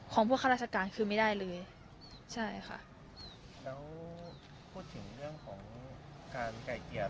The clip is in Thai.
พวกข้าราชการคือไม่ได้เลยใช่ค่ะแล้วพูดถึงเรื่องของการไก่เกลียด